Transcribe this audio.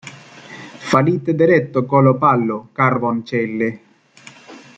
Falite dereto colo palo, Carvoncelle!